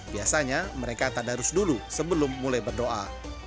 biasanya mereka tak harus dulu sebelum mulai berdoa